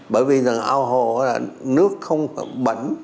bởi vì ao hồ là nước không bẩn